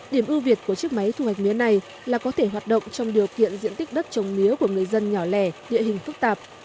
điểm ưu việt của chiếc máy thu hoạch mía này là có thể hoạt động trong điều kiện diện tích đất trồng mía của người dân nhỏ lẻ địa hình phức tạp